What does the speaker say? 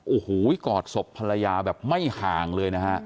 โอ้โหกอดศพภรรยาแบบไม่ห่างเลยนะฮะ